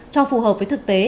cho phù hợp với thực tế